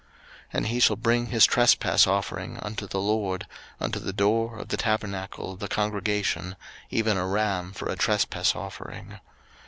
03:019:021 And he shall bring his trespass offering unto the LORD, unto the door of the tabernacle of the congregation, even a ram for a trespass offering.